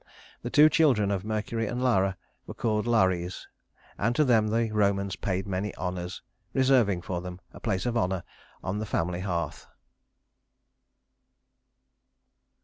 The two children of Mercury and Lara were called Lares, and to them the Romans paid many honors, reserving for them a place of honor on the family hearth.